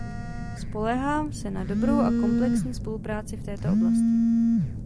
Spoléhám se na dobrou a komplexní spolupráci v této oblasti.